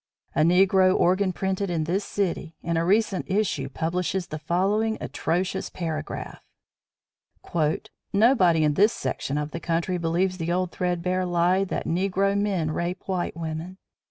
A negro organ printed in this city, in a recent issue publishes the following atrocious paragraph: "Nobody in this section of the country believes the old thread bare lie that negro men rape white women.